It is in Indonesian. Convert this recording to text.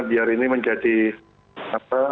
biar ini menjadi apa